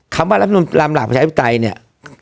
คำว่ารัฐมนุนตามหลักประชาชนภิตรไตรเนี่ย